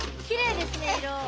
きれいですね色。